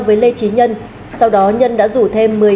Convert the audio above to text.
với lê trí nhân sau đó nhân đã rủ thêm